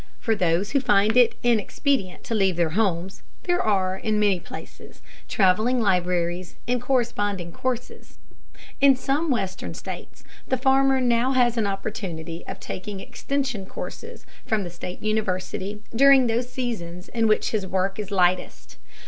For those who find it inexpedient to leave their homes, there are, in many places, travelling libraries and correspondence courses. In some western states the farmer now has an opportunity of taking extension courses from the State university during those seasons in which his work is lightest.